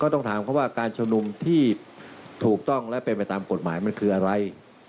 ต้องถามเขาว่าการชุมนุมที่ถูกต้องและเป็นไปตามกฎหมายมันคืออะไร